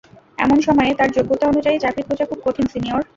এমন সময়ে তার যোগ্যতা অনুযায়ী চাকরি খোঁজা, খুব কঠিন, সিনিয়র।